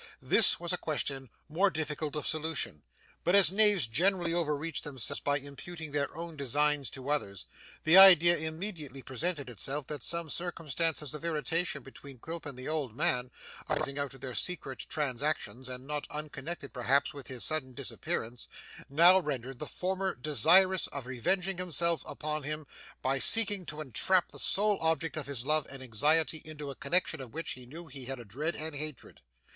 This was a question more difficult of solution; but as knaves generally overreach themselves by imputing their own designs to others, the idea immediately presented itself that some circumstances of irritation between Quilp and the old man, arising out of their secret transactions and not unconnected perhaps with his sudden disappearance, now rendered the former desirous of revenging himself upon him by seeking to entrap the sole object of his love and anxiety into a connexion of which he knew he had a dread and hatred.